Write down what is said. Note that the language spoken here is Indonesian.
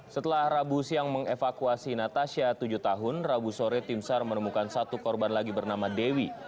setelah rabu siang mengevakuasi natasha tujuh tahun rabu sore tim sar menemukan satu korban lagi bernama dewi